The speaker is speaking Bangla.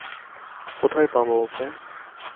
কোথায় পাব ওকে?